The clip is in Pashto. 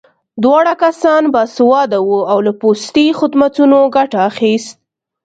دواړه کسان باسواده وو او له پوستي خدمتونو ګټه اخیست